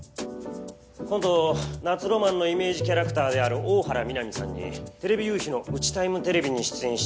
今度夏浪漫のイメージキャラクターである大原美波さんにテレビ夕日の『うちタイムＴＶ』に出演して頂き